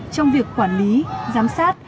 trong việc quản lý giám sát